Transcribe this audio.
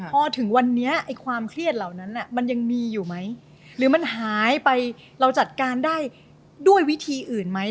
พอถึงวันนี้ไอ้ความเครียดเหล่านั้นมันยังมีอยู่ไหมหรือมันหายไปเราจัดการได้ด้วยวิธีอื่นไหม